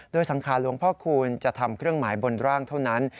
โดยสังขารหลวงพ่อคูณจะทำเครื่องหมายบนร่างเท่านั้น